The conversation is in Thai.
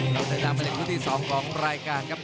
ขอบคุณครับท่านท่านผู้ที่สองของรายการครับ